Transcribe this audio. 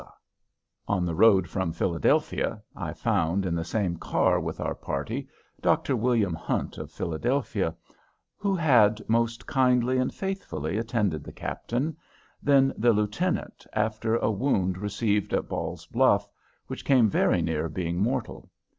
On the road from Philadelphia, I found in the same car with our party Dr. William Hunt of Philadelphia, who had most kindly and faithfully attended the Captain, then the Lieutenant, after a wound received at Ball's Bluff, which came very near being mortal.